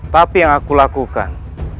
tapi yang aku lakukan